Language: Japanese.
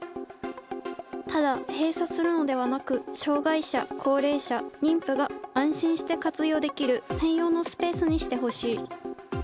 ただ、閉鎖するのではなく、障がい者、高齢者、妊婦が安心して活用できる専用のスペースにしてほしい。